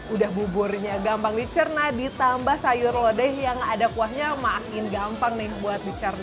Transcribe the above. udah buburnya gampang dicerna ditambah sayur lodeh yang ada kuahnya makin gampang nih buat dicerna